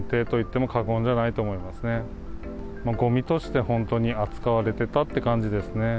もうごみとして本当に扱われてたって感じですね。